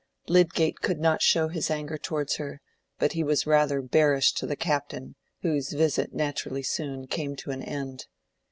Lydgate could not show his anger towards her, but he was rather bearish to the Captain, whose visit naturally soon came to an end.